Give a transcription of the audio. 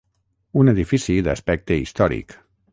Un edifici d'aspecte històric.